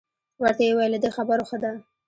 ورته یې وویل له دې خبرو ښه ده.